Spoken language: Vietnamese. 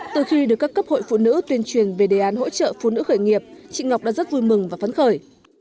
từ khi được các cấp hội phụ nữ tuyên truyền về đề án hỗ trợ phụ nữ khởi nghiệp chị ngọc đã rất vui mừng và phấn khởi